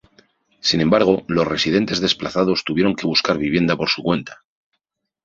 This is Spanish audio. Sin embargo, los residentes desplazados tuvieron que buscar vivienda por su cuenta.